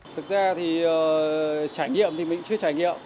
thực ra thì trải nghiệm thì mình chưa trải nghiệm